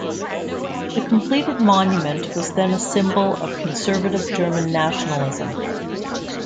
The completed monument was then a symbol of conservative German nationalism.